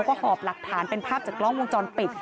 ก็หอบหลักฐานเป็นภาพจากกล้องวงจรปิด